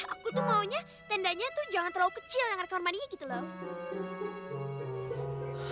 aku tuh maunya tendanya tuh jangan terlalu kecil yang rekor moneynya gitu loh